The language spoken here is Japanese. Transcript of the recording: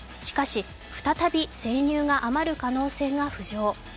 しかし、再び生乳が余る可能性が浮上。